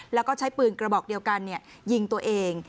แล้วก็ใช้ปืนกระบอกเดียวกันยิงตัวเอง